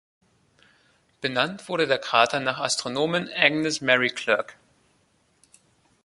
Benannt wurde der Krater nach Astronomin Agnes Mary Clerke.